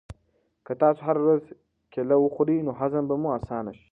که تاسو هره ورځ کیله وخورئ نو هضم به مو اسانه شي.